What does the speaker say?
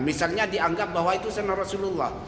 misalnya dianggap bahwa itu sama rasulullah